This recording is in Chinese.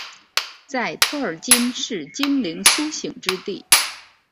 在托尔金是精灵苏醒之地。